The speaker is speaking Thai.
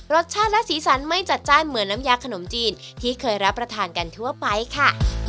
รสชาติและสีสันไม่จัดจ้านเหมือนน้ำยาขนมจีนที่เคยรับประทานกันทั่วไปค่ะ